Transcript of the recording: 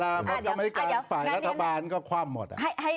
เพราะกรรมธิการฝ่ายรัฐบาลก็คว่ำหมด